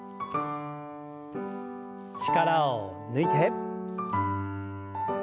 力を抜いて。